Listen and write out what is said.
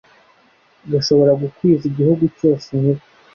gashobora gukwiza igihugu cyose imiba